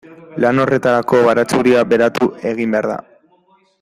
Lan horretarako baratxuria beratu egin behar da.